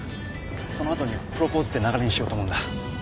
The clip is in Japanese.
その後にプロポーズって流れにしようと思うんだ。